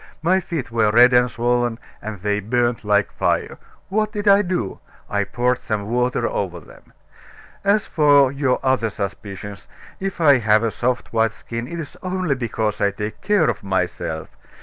My feet were red and swollen, and they burned like fire. What did I do? I poured some water over them. As for your other suspicions, if I have a soft white skin, it is only because I take care of myself.